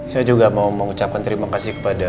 saya juga mau mengucapkan terima kasih kepada